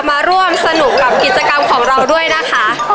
มาร่วมสนุกกับกิจกรรมของเราด้วยนะคะ